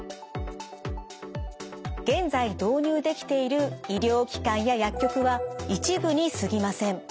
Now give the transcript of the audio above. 現在導入できている医療機関や薬局は一部にすぎません。